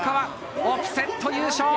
オプセット優勝！